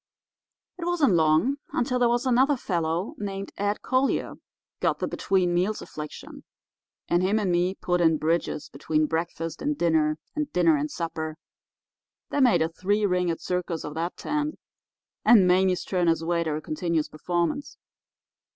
"It wasn't long until there was another fellow named Ed Collier got the between meals affliction, and him and me put in bridges between breakfast and dinner, and dinner and supper, that made a three ringed circus of that tent, and Mame's turn as waiter a continuous performance.